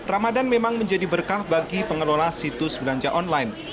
ramadan memang menjadi berkah bagi pengelola situs belanja online